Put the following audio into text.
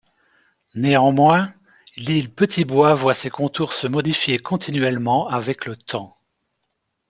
Néanmoins, l'île Petit Bois voit ses contours se modifier continuellement avec le temps.